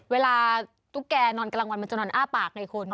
เวลาตุ๊กแก่นอนกำลังวันมันจะนอนอ้าปากในคน